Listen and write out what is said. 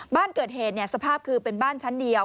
บ้านเกิดเหตุสภาพคือเป็นบ้านชั้นเดียว